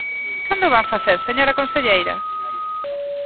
¿Cando o van facer, señora conselleira?